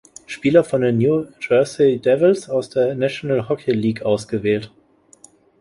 Spieler von den New Jersey Devils aus der National Hockey League ausgewählt.